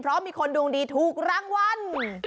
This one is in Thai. เพราะมีคนดวงดีถูกรางวัล